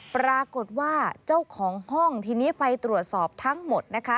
ปรากฏว่าเจ้าของห้องทีนี้ไปตรวจสอบทั้งหมดนะคะ